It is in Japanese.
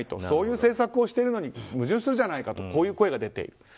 そういう政策をしているのに矛盾するじゃないかとこういう声が出ている。